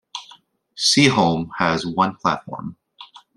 Seaholme has one platform.